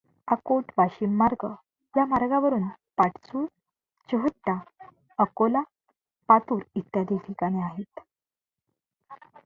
अकोट वाशीम मार्ग या मार्गावर पाटसूळ, चोहट्टा, अकोला, पातूर इत्यादी ठिकाणे आहेत.